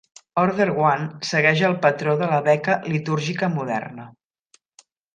Order One segueix el patró de la beca litúrgica moderna.